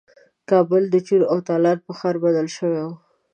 کابل د چور او تالان په ښار بدل شوی وو.